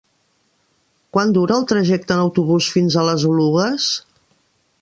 Quant dura el trajecte en autobús fins a les Oluges?